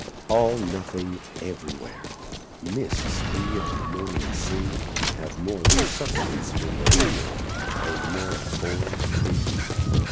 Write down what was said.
All nothing everywhere: Mists we on mornings see Have more of substance when they're here And more of form than he.